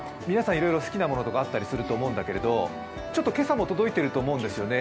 いろいろ好きなものとかあったりすると思うんだけど、今朝も届いていると思うんですよね。